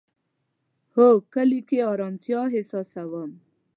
هو، کلی کی ارامتیا احساسوم